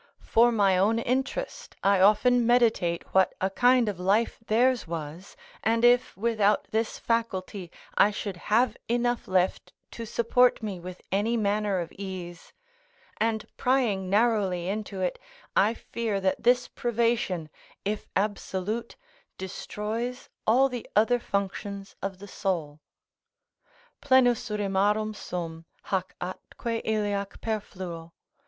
For my own interest, I often meditate what a kind of life theirs was, and if, without this faculty, I should have enough left to support me with any manner of ease; and prying narrowly into it, I fear that this privation, if absolute, destroys all the other functions of the soul: "Plenus rimarum sum, hac atque iliac perfluo."